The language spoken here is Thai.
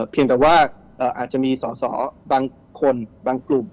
เพียงแต่ว่าอาจจะมีสอสอบางคนบางกลุ่ม